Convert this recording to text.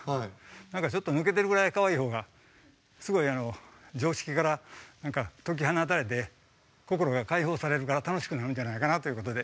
何かちょっと抜けてるぐらいかわいい方がすごい常識から何か解き放たれて心が解放されるから楽しくなるんじゃないかなということで。